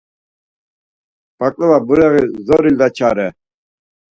Baǩlava bureği zorilla çare